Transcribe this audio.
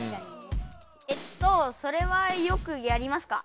えっとそれはよくやりますか？